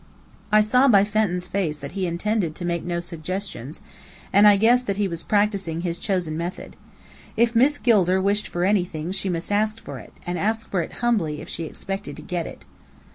I saw by Fenton's face that he intended to make no suggestions, and I guessed that he was practising his chosen method. If Miss Gilder wished for anything she must ask for it, and ask for it humbly if she expected to get it.